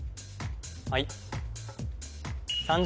はい